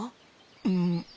うん。